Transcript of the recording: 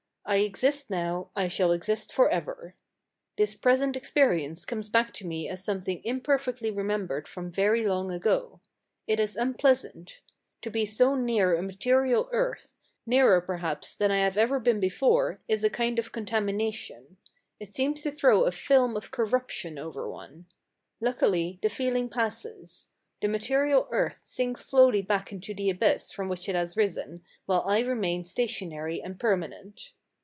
"I exist now, I shall exist for ever. This present experience comes back to me as something imperfectly remembered from very long ago. It is unpleasant. To be so near a material earth, nearer, perhaps, than I have ever been before, is a kind 286 THE LIFE OF A BUBBLE 287 of contamination. It seems to throw a film of corrup tion over one. Luckily the feeling passes. The ma terial earth sinks slowly back into the abyss from which it has risen, while I remain stationary and per manent."